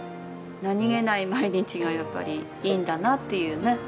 何気ない毎日がやっぱりいいんだなっていうね。